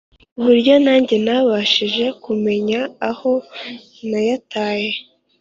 kuburyo nanjye ntabashije kumenya aho nayataye